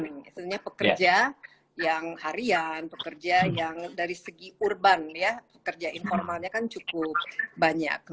misalnya pekerja yang harian pekerja yang dari segi urban ya pekerja informalnya kan cukup banyak